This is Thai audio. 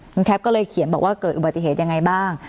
คุณแคปก็เลยเขียนบอกว่าเกิดอุบัติเหตุยังไงบ้าง